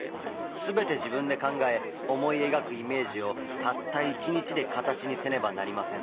全て自分で考え思い描くイメージをたった１日で形にせねばなりません。